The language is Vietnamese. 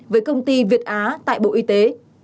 với công ty việt á tại bộ y tế